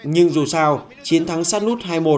nhưng dù sao chiến thắng sát nút hai một